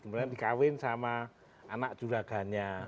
kemudian dikawin sama anak curagannya